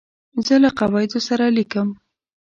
زه له قواعدو سره لیکم.